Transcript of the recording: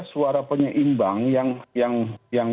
suara penyeimbang yang